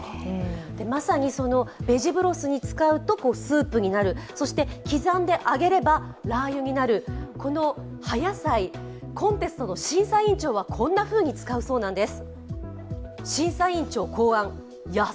まさにベジブロスに使うとスープになる、そして刻んで揚げればラー油になる、この葉野菜、コンテストの審査委員長はこう使うそうです。